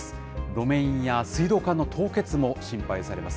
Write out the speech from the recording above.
路面や水道管の凍結も心配されます。